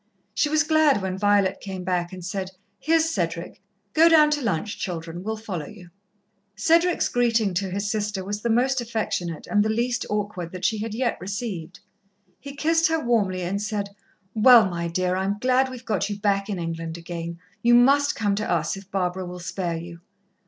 She was glad when Violet came back and said: "Here's Cedric. Go down to lunch, children we'll follow you." Cedric's greeting to his sister was the most affectionate and the least awkward that she had yet received. He kissed her warmly and said, "Well, my dear I'm glad we've got you back in England again. You must come to us, if Barbara will spare you."